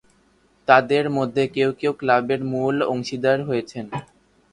তাদের মধ্যে কেউ কেউ ক্লাবের মূল অংশীদার হয়েছেন।